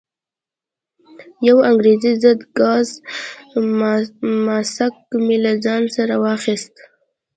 یو انګریزي ضد ګاز ماسک مې له ځان سره واخیست.